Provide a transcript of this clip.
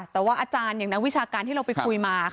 แต่ว่าอาจารย์อย่างนักวิชาการที่เราไปคุยมา